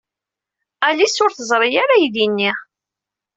Alice ur teẓri ara aydi-nni.